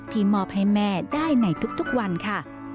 มอบให้แม่ได้ในทุกวันค่ะ